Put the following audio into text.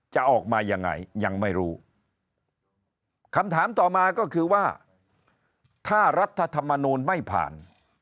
จะออกมายังไงยังไม่รู้คำถามต่อมาก็คือว่าถ้ารัฐธรรมนูลไม่ผ่าน